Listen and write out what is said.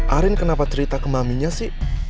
arin kenapa cerita ke maminya sih